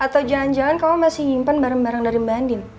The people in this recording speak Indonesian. atau jangan jangan kamu masih nyimpen barang barang dari mbak andi